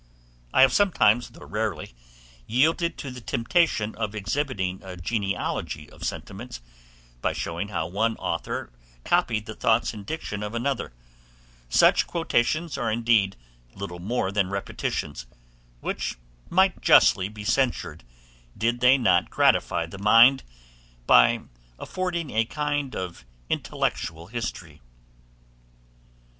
I have sometimes, though rarely, yielded to the temptation of exhibiting a genealogy of sentiments, by showing how one author copied the thoughts and diction of another: such quotations are indeed little more than repetitions, which might justly be censured, did they not gratify the mind, by affording a kind of intellectual history.